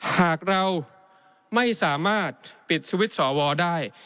หากเราไม่สามารถปิดสวิตช์สวได้